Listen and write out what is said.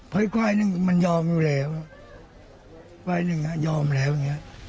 เพราะอีกควายหนึ่งมันยอมอยู่แล้วควายหนึ่งอ่ะยอมแล้วอย่างเงี้ย